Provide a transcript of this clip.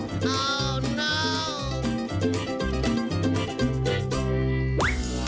อ้าวโน้ว